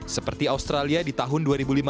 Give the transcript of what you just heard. seperti australia di tahun dua ribu lima belas